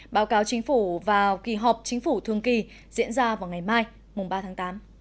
báo cáo chính phủ vào kỳ họp chính phủ thường kỳ diễn ra vào ngày mai mùng ba tháng tám